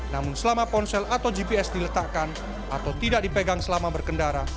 namun selama ponsel atau gps diletakkan atau tidak dipegang selama berkendara